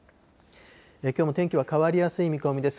きょうも天気は変わりやすい見込みです。